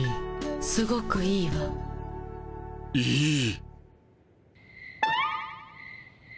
すごくいいわ。いい。